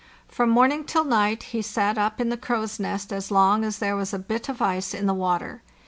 From morning till night he sat up in the crow's nest as long as there was a bit of ice in the water.